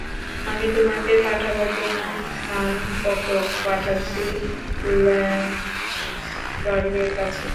আমি তোমাকে পাঠাবার জন্য খানকতক পাঠাচ্ছি ল্যাণ্ডসবার্গের কাছে।